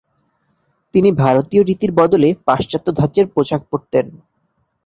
তিনি ভারতীয় রীতির বদলে পাশ্চাত্য ধাচের পোশাক পড়তেন।